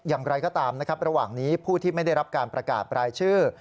อย่างไรก็ตามนะครับระหว่างนี้ผู้ที่ไม่ได้รับการประกาศรายชื่อ